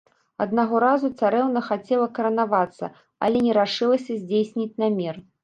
Аднаго разу царэўна хацела каранавацца, але не рашылася здзейсніць намер.